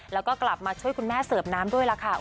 แล้วก็กลับมาช่วยคุณแม่เสิร์ฟน้ำด้วยล่ะค่ะ